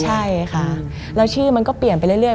ใช่ค่ะแล้วชื่อมันก็เปลี่ยนไปเรื่อย